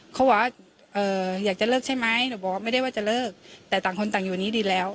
เขาบอกว่าอยากจะเลิกใช่ไหมหนูบอกว่าไม่ได้ว่าจะเลิกแต่ต่างคนต่างอยู่นี้ดีแล้ว